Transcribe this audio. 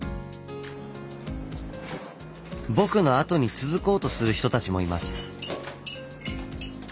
僕のあとに続こうとする人たちもいます。